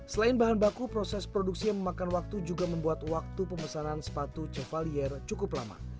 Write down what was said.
selain bahan baku proses produksi yang memakan waktu juga membuat waktu pemesanan sepatu covalier cukup lama